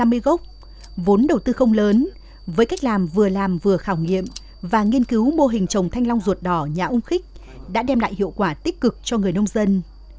hơn ba trăm năm mươi gốc vốn đầu tư không lớn với cách làm vừa làm vừa khảo nghiệm và nghiên cứu mô hình trồng thanh long ruột đỏ nhà ung khích đã đem lại hiệu quả tích cực cho người nông dân